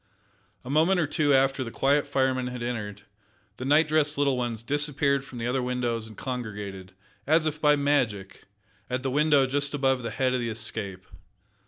A moment or two after the quiet fireman had entered, the night dressed little ones disappeared from the other windows and congregated, as if by magic, at the window just above the head of the Escape.